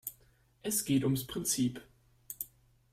Es geht ums Prinzip.